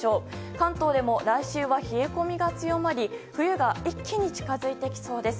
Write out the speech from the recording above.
関東でも来週は冷え込みが強まり冬が一気に近づいてきそうです。